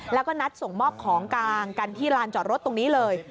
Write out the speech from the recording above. แล้วก็นัดส่งมอบของกลางกันที่ลานจอดรถตรงนี้เลย